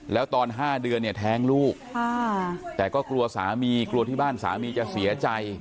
แล้วตอน๕เดือนเนี่ยแท้งลูกแต่ก็กลัวสามีกลัวที่บ้านสามีจะเสียใจ